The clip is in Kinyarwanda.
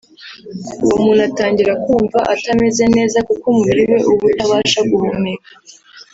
uwo muntu atangira kumva atameze neza kuko umubiri we uba utabasha guhumeka